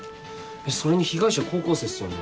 それに被害者高校生っすよね